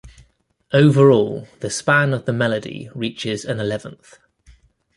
Overall, the span of the melody reaches an eleventh.